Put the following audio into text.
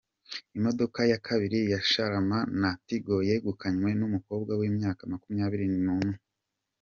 Imodoka ya Kabiri ya Sharama na Tigo yegukanwe n’umukobwa w’imyaka Makumyabiri Numwe